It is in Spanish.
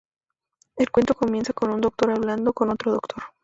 El cuento comienza con un doctor hablando con otro doctor.